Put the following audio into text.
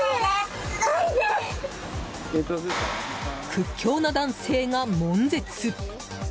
屈強な男性が悶絶！